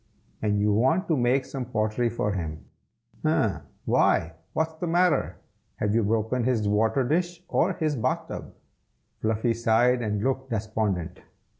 And you want to make some pottery for him, eh? why, what's the matter? have you broken his water dish, or his bath tub?" Fluffy sighed and looked despondent.